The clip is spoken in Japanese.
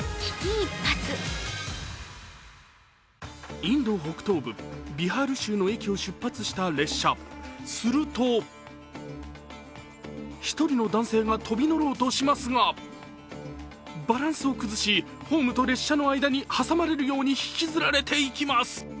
インド北東部ビハール州の駅を出発した列車、すると一人の男性が飛び乗ろうとしますが、バランスを崩しホームと列車の間に挟まれるように引きずられていきます。